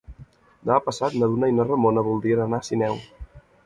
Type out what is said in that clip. Demà passat na Duna i na Ramona voldrien anar a Sineu.